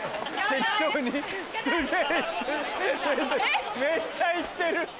めっちゃ行ってる。